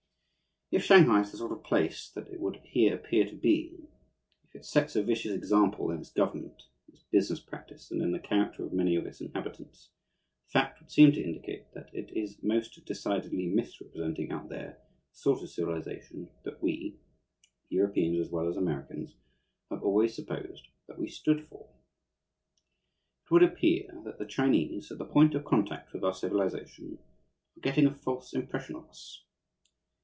If Shanghai is the sort of a place that it would here appear to be, if it sets a vicious example in its government, in its business practice, and in the character of many of its inhabitants, the fact would seem to indicate that it is most decidedly misrepresenting out there the sort of civilization that we, Europeans as well as Americans, have always supposed that we stood for. It would appear that the Chinese, at the point of contact with our civilization, are getting a false impression of us.